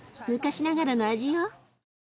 昔ながらの味よ。